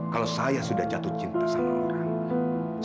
kalau saya sudah jatuh cinta sama orang